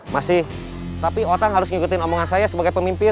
masih tapi otang harus ngikutin omongan saya sebagai pemimpin